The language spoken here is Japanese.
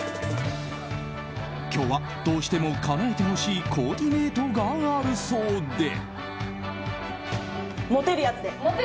今日はどうしてもかなえてほしいコーディネートがあるそうで。